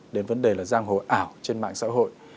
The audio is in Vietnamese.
đến vấn đề là giang hồ ảo trên mạng xã hội